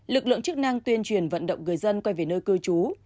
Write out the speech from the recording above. lực lượng chức năng tuyên truyền vận động người dân quay về nơi cư trú